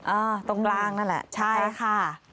อ่าตรงกลางนั่นแหละใช่ค่ะ